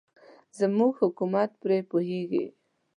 زموږ حکومت پرې پوهېږي.